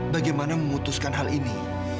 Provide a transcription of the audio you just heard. bagaimana memutuskan hal ini